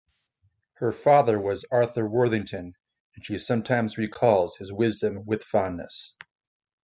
Her father was Arthur Worthington and she sometimes recalls his wisdom with fondness.